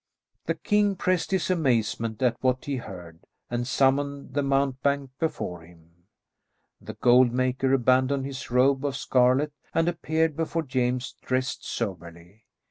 The king pressed his amazement at what he heard, and summoned the mountebank before him. The gold maker abandoned his robe of scarlet and appeared before James dressed soberly.